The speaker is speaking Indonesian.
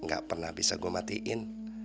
gak pernah bisa gue matiin